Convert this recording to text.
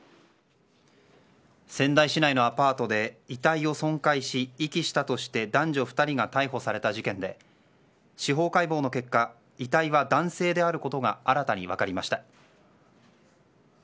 仙台市内のアパートで遺体を損壊し遺棄したとして男女２人が逮捕された事件で司法解剖の結果遺体は男性であることが新たに分かりました。